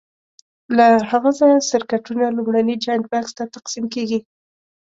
له هغه ځایه سرکټونو لومړني جاینټ بکس ته تقسیم کېږي.